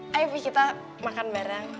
tapi kita makan bareng